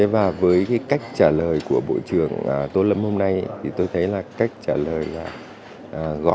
với cách trả lời của bộ trưởng tô lâm hôm nay tôi thấy là cách trả lời gõ rõ đi thẳng vào nội dung câu hỏi của đại biểu